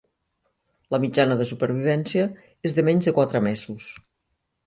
La mitjana de supervivència és de menys de quatre mesos.